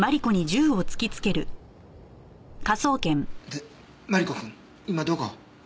でマリコくん今どこ？